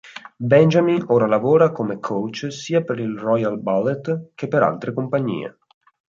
Benjamin ora lavora come coach sia per il Royal Ballet che per altre compagnie.